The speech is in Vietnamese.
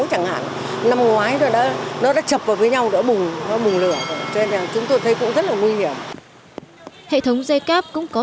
chúng lại trở thành một hệ thống dây cáp